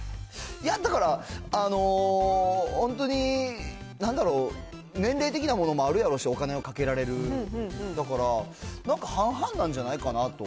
だから、本当になんだろう、年齢的なものもあるやろうし、お金をかけられる、だから、なんか半々なんじゃないかなと。